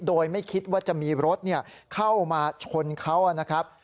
โดยไม่คิดว่าจะมีรถเข้ามาชนเขานะครับ